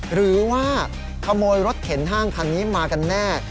หรือว่าขโมยรถเข็นห้างคันนี้มากันแน่